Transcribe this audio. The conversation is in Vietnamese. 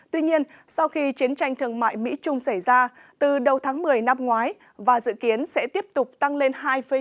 tuy nhiên sau khi chiến tranh thương mại mỹ trung xảy ra từ đầu tháng một mươi năm ngoái và dự kiến sẽ tiếp tục tăng lên hai một